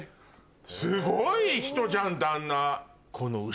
すごい人じゃん旦那。